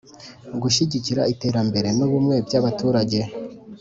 Gushyigikira iterambere n’ ubumwe by’ abaturage